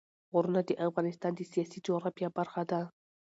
غرونه د افغانستان د سیاسي جغرافیه برخه ده.